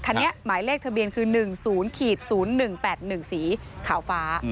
หมายเลขทะเบียนคือ๑๐๐๑๘๑สีขาวฟ้า